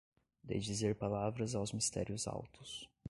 de dizer palavras aos mistérios altos